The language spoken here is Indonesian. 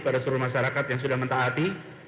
pada seluruh masyarakat yang sudah mentaati